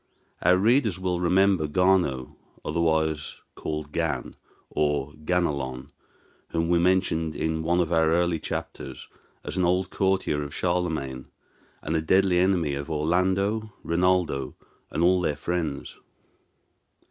Our readers will remember Gano, otherwise called Gan, or Ganelon, whom we mentioned in one of our early chapters as an old courtier of Charlemagne, and a deadly enemy of Orlando, Rinaldo, and all their friends.